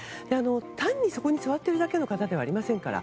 単に、そこに座っているだけの方ではありませんから。